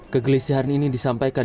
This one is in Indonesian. kegelisahan ini disampaikan